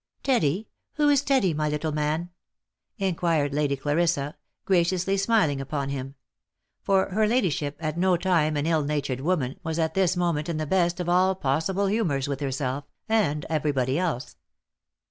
"Teddy? — who is Teddy, my little man V inquired Lady Cla rissa, graciously smiling upon him ; for her ladyship, at no time an ill natured woman, was at this moment in the best of all possible humours with herself, and every body else.